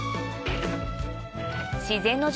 自然の樹